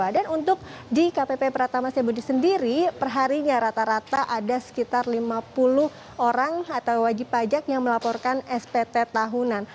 dan untuk di kpp pratama saya berada di sendiri perharinya rata rata ada sekitar lima puluh orang atau wajib pajak yang melaporkan spt tahunan